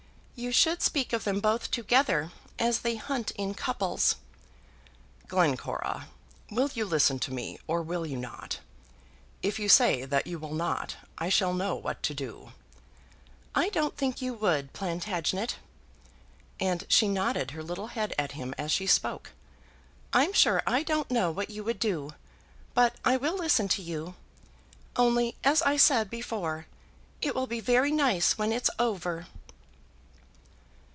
"You should speak of them both together as they hunt in couples." "Glencora, will you listen to me, or will you not? If you say that you will not, I shall know what to do." "I don't think you would, Plantagenet." And she nodded her little head at him, as she spoke. "I'm sure I don't know what you would do. But I will listen to you. Only, as I said before, it will be very nice when it's over."